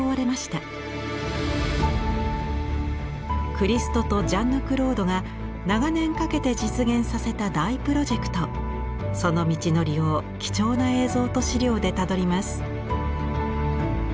クリストとジャンヌ＝クロードが長年かけて実現させた大プロジェクトその道のりを貴重な映像と資料でたどります。